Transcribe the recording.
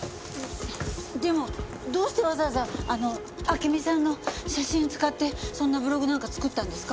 でもどうしてわざわざあの暁美さんの写真使ってそんなブログなんか作ったんですか？